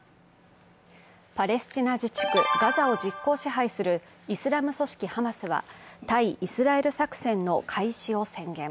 パレスチナ自治区ガザを実効支配するイスラム組織ハマスは、対イスラエル作戦の開始を宣言。